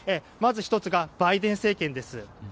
まず１つがバイデン政権です。